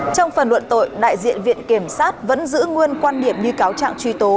trong phần luận tội đại diện viện kiểm sát vẫn giữ nguyên quan điểm như cáo trạng truy tố